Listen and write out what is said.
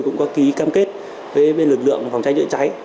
cũng có ký cam kết với lực lượng phòng cháy chữa cháy